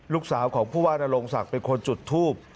ลูกสาวของผู้ว่านโรงศักดิ์เป็นคนจุดทูบ